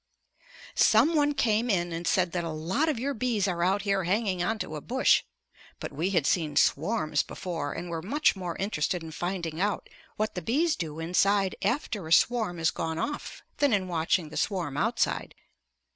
Some one came in and said that a "lot of your bees are out here hanging on to a bush." But we had seen "swarms" before, and were much more interested in finding out what the bees do inside after a swarm has gone off than in watching the swarm outside.